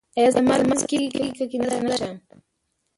ایا زما لمونځ کیږي که کیناستلی نشم؟